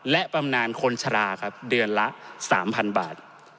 และปำนานคนชราเดือนละ๓๐๐๐บาท